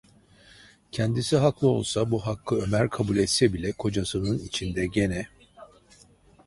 Kendisi haklı olsa, bu hakkı Ömer kabul etse bile kocasının içinde gene: